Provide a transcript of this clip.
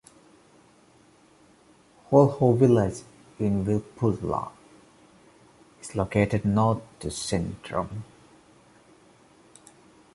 Kolho village in Vilppula is located north to centrum.